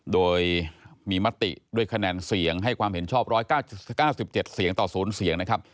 โดยมีมติด้วยคะแนนเสียงให้ความเห็นชอบ๑๙๗เสียงต่อ๐เสียงนะครับ